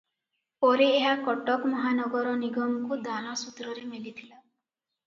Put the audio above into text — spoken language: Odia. ପରେ ଏହା କଟକ ମହାନଗର ନିଗମକୁ ଦାନ ସୂତ୍ରରେ ମିଳିଥିଲା ।